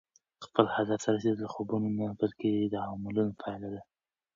خپل هدف ته رسېدل د خوبونو نه، بلکې د عملونو پایله ده.